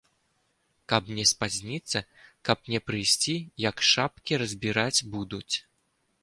Каб не спазніцца, каб не прыйсці, як шапкі разбіраць будуць.